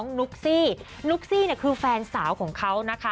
นุ๊กซี่นุ๊กซี่เนี่ยคือแฟนสาวของเขานะคะ